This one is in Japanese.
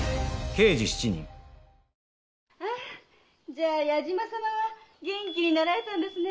じゃあ矢島様は元気になられたんですね？